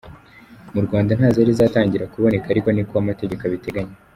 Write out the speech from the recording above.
Mu Rwanda ntazari zatangira kuboneka ari niko amategeko abiteganya”.